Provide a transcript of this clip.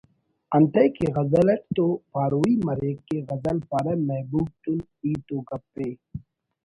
انتئے کہ غزل اٹ تو پاروئی مریک کہ غزل پارہ محبوب تون ہیت گپءِ